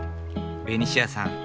ベニシアさん